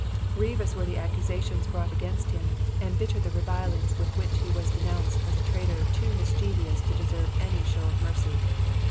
Grievous were the accusations brought against him, and bitter the revilings with which he was denounced as a traitor too mischievous to deserve any show of mercy.